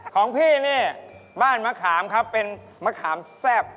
ของพี่นี่บ้านมะขามครับเป็นมะขามแซ่บ